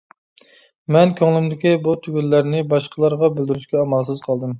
مەن كۆڭلۈمدىكى بۇ تۈگۈنلەرنى باشقىلارغا بىلدۈرۈشكە ئامالسىز قالدىم.